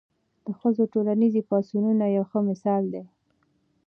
د ښځو ټولنیز پاڅونونه یو ښه مثال دی.